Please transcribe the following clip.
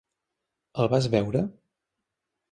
El vas veure?